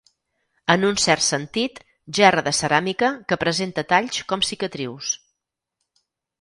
En un cert sentit, gerra de ceràmica que presenta talls com cicatrius.